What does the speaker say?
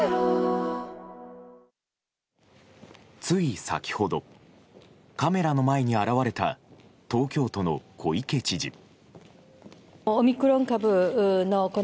つい先ほどカメラの前に現れた東京都の小池知事。